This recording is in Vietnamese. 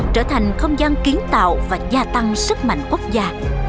trở thành không gian kiến tạo và gia tăng sức mạnh quốc gia